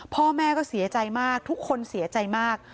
พ่อแม่ก็เสียใจมากทุกคนเสียใจมาก